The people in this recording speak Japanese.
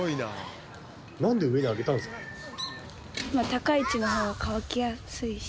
高い位置の方が乾きやすいし。